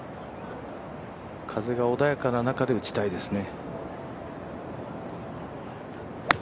風が穏やかな中で打ちたいですね。